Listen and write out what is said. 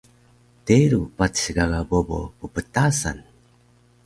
Teru patis ga bobo pptasan